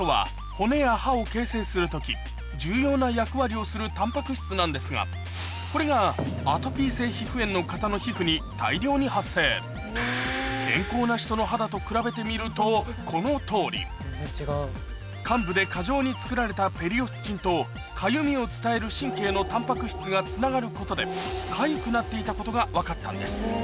な役割をするタンパク質なんですがこれがアトピー性皮膚炎の方の健康な人の肌と比べてみるとこのとおり患部で過剰に作られたペリオスチンとかゆみを伝える神経のタンパク質がつながることでかゆくなっていたことが分かったんです